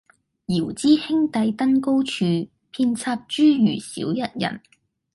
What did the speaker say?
遙知兄弟登高處，遍插茱萸少一人。